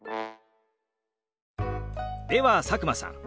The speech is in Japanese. では佐久間さん。